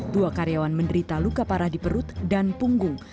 dua karyawan menderita luka parah di perut dan punggung